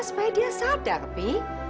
supaya dia sadar bi